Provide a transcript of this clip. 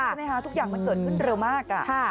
ใช่มั้ยฮะทุกอย่างมันเกิดขึ้นเร็วมากอ่ะ